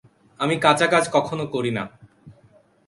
আমি কাঁচা কাজ কখনো করি না।